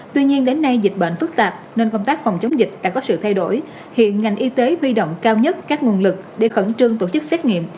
tuy nhiên đến nay dịch bệnh phức tạp nên công tác phòng chống dịch đã có sự thay đổi